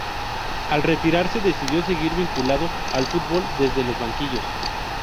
Al retirarse decidió seguir vinculado al fútbol desde los banquillos.